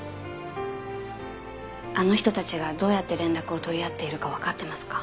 あの人たちがどうやって連絡を取り合っているか分かってますか？